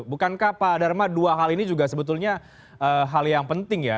bukankah pak dharma dua hal ini juga sebetulnya hal yang penting ya